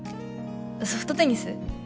ソフトテニス？